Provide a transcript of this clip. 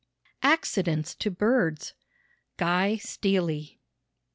ACCIDENTS TO BIRDS. GUY STEALEY.